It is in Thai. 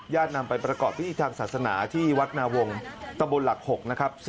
นำไปประกอบพิธีทางศาสนาที่วัดนาวงตะบนหลัก๖นะครับ